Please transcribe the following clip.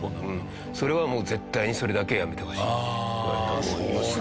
それはもう「絶対にそれだけはやめてほしい」って言われたのを覚えてます。